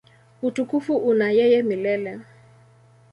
Utukufu una yeye milele.